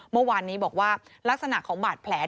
เมื่อวานนี้บอกว่าลักษณะของบาดแผล